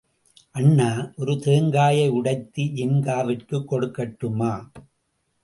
அண்ணா, ஒரு தேங்காயை உடைத்து ஜின்காவிற்குக் கொடுக்கட்டுமா?